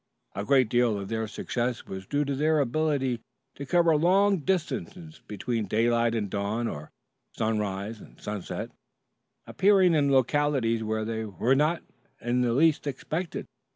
A great deal of their success was due to their ability to cover long distances between daylight and dawn or sunrise and sunset, appearing in localities where they were not in the least expected.